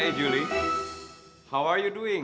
hai julie terima kasih udahiana